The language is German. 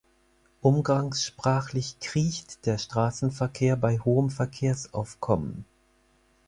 Umgangssprachlich kriecht der Straßenverkehr bei hohem Verkehrsaufkommen.